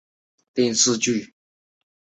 文武阁的历史年代为清代。